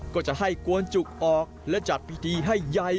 ก็จะให้กวนจุกออกและจัดพิธีให้ใหญ่